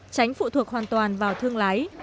tránh phụ thuộc hoàn toàn vào thương lái